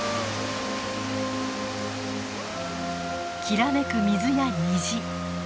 きらめく水や虹。